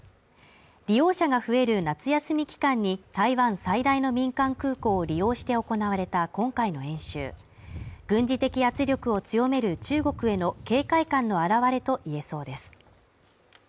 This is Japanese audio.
利用者が増える夏休み期間に台湾最大の民間空港を利用して行われた今回の演習軍事的圧力を強める中国への警戒感の表れといえそうです